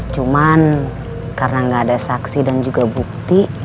cuman karena nggak ada saksi dan juga bukti